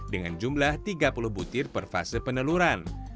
dengan jumlah tiga puluh butir per fase peneluran